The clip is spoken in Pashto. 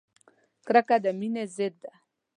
کرکه د مینې ضد ده!